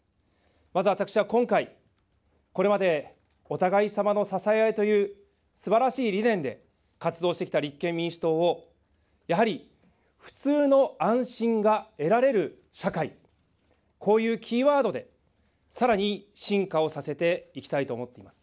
まず私は今回、これまでお互いさまの支え合いというすばらしい理念で活動してきた立憲民主党を、やはり普通の安心が得られる社会、こういうキーワードでさらに進化をさせていきたいと思っています。